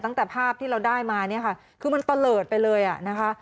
ภาพที่เราได้มาเนี่ยค่ะคือมันตะเลิศไปเลยอ่ะนะคะ